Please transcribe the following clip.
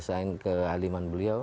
selain kehaliman beliau